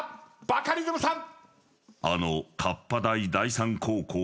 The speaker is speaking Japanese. バカリズムさん。